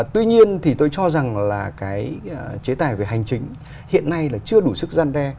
tuy nhiên thì tôi cho rằng là cái chế tài về hành chính hiện nay là chưa đủ sức gian đe